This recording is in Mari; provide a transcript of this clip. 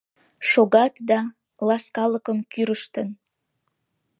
Шогат да, ласкалыкым кӱрыштын